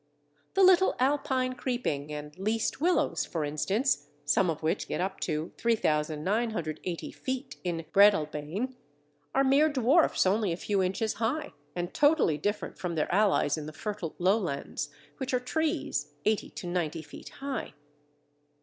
The little Alpine Creeping and Least Willows, for instance, some of which get up to 3980 feet in Breadalbane, are mere dwarfs only a few inches high, and totally different from their allies in the fertile lowlands, which are trees eighty to ninety feet high.